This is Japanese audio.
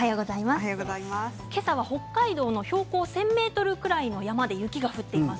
今朝は北海道の標高１０００ｍぐらいの山で雪が降っています。